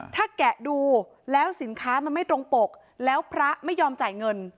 ถ้าแกะดูแล้วสินค้ามันไม่ตรงปกแล้วพระไม่ยอมจ่ายเงิน